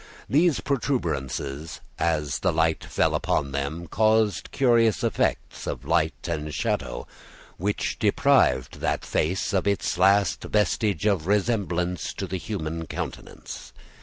These protuberances, as the light fell upon them, caused curious effects of light and shadow which deprived that face of its last vestige of resemblance to the human countenance.